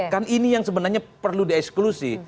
kan ini yang sebenarnya perlu di eksklusi